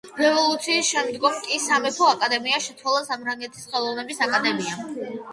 რევოლუციის შემდგომ კი სამეფო აკადემია შეცვალა საფრანგეთის ხელოვნების აკადემიამ.